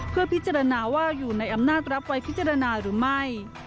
เพื่อพิจารณาว่าอยู่ในอำนาจรับไว้พิจารณาหรือไม่